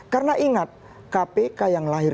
karena ingat kpk yang lahir